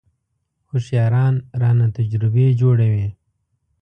هوښیاران رانه تجربې جوړوي .